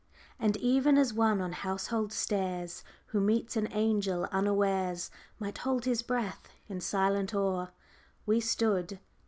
"And, even as one on household stairs, Who meets an angel unawares, Might hold his breath; in silent awe We stood."